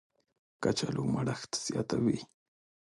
کچالو مړښت زیاتوي